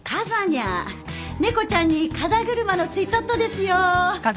猫ちゃんに風車の付いとっとですよ。